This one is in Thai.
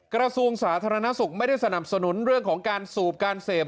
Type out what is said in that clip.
กระทรวงสาธารณสุขไม่ได้สนับสนุนเรื่องของการสูบการเสพ